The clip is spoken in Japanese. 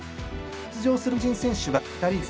出場する日本人選手は２人です。